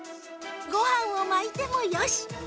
ご飯を巻いてもよし！